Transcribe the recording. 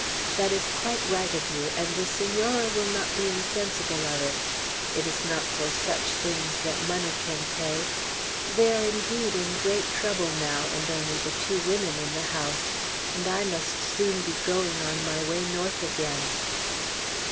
"That is quite right of you, and the Senora will not be insensible of it. It is not for such things that money can pay. They are indeed in great trouble now, and only the two women in the house; and I must soon be going on my way North again."